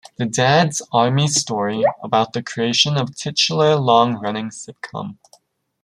The Dad's Army Story, about the creation of the titular long-running sitcom.